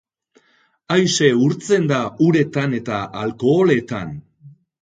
Aise urtzen da uretan eta alkoholetan.